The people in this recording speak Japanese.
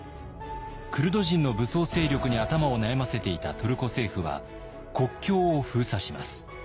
クルド人の武装勢力に頭を悩ませていたトルコ政府は国境を封鎖します。